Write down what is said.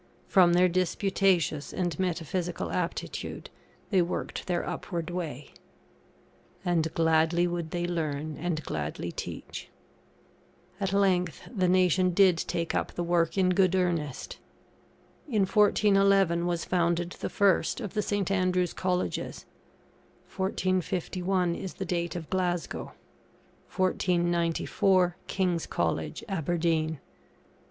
From their disputatious and metaphysical aptitude, they worked their upward way And gladly would they learn and gladly teach. At length, the nation did take up the work in good earnest. In 1411, was founded the first of the St. Andrews' Colleges; 1451 is the date of Glasgow; 1494, King's College, Aberdeen.